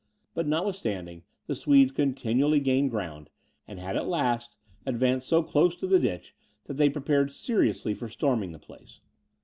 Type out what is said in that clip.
But notwithstanding, the Swedes continually gained ground, and had at last advanced so close to the ditch that they prepared seriously for storming the place.